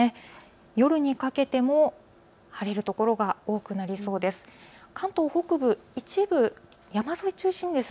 夜にかけても晴れる所が多くなりそうです。